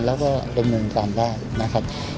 แล้วก็ลงเมืองตามได้นะครับ